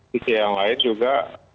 sisi yang lain juga